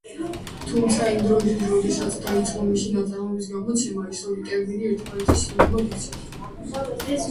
თუმცა, იმ დროისთვის, როდესაც დაიწყო მისი ნაწარმოებების გამოცემა, ეს ორი ტერმინი ერთმანეთის სინონიმად იქცა.